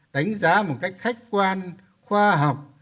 đánh giá một cách khách quan khoa học